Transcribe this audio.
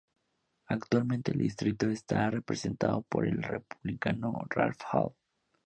Actualmente el distrito está representado por el Republicano Ralph Hall.